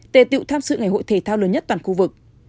tề tựu tham sự ngày hội thể thao lớn nhất toàn khu vực